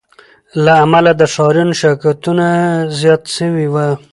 له امله د ښاریانو شکایتونه زیات سوي وه